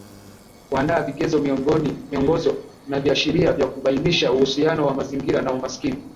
Kuandaa vigezo miongozo na viashiria vya kubainisha uhusiano wa mazingira na umaskini